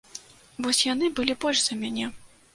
Вось яны былі больш за мяне.